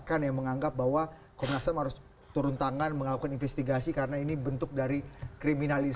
ada gerakan yang menganggap bahwa komnasam harus turun tangan mengakukan investigasi karena ini bentuk dari kriminalisasi